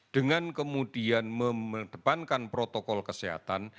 dengan kemudian mengedepankan protokol kesehatan